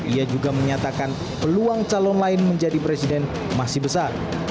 ia juga menyatakan peluang calon lain menjadi presiden masih besar